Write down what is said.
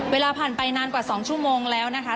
เวลาผ่านไปนานกว่า๒ชั่วโมงแล้วนะคะ